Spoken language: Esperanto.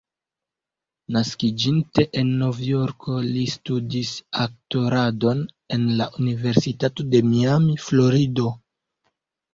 Naskiĝinte en Novjorko, li studis aktoradon en la Universitato de Miami, Florido.